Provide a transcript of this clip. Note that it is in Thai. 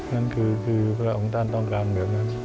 นั่นคือพระองค์ท่านต้องการแบบนั้น